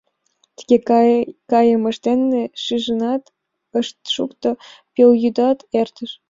Тыге кайымышт дене шижынат ышт шукто — пелйӱдат эртыш.